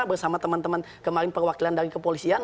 bersama teman teman kemarin perwakilan dari kepolisian